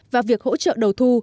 và việc hỗ trợ đầu thu